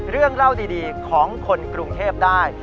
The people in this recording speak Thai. เรื่องเล่าดีของคนกรุงเทพได้